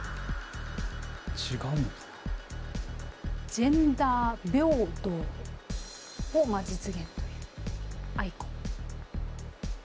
ジェンダー平等を実現というアイコン。